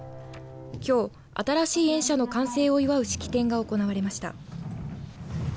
きょう、新しい園舎の完成を祝う式典が行われました。